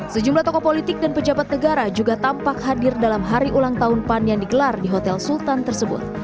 sejumlah tokoh politik dan pejabat negara juga tampak hadir dalam hari ulang tahun pan yang digelar di hotel sultan tersebut